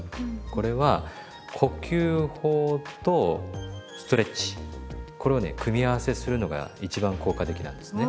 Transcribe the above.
これは呼吸法とストレッチこれをね組み合わせするのが一番効果的なんですね。